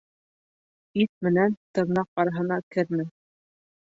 Ит менән тырнаҡ араһына кермә.